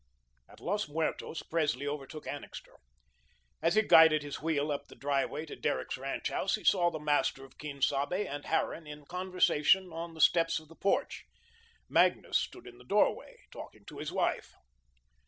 At Los Muertos, Presley overtook Annixter. As he guided his wheel up the driveway to Derrick's ranch house, he saw the master of Quien Sabe and Harran in conversation on the steps of the porch. Magnus stood in the doorway, talking to his wife.